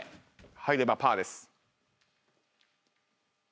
入ればパーです。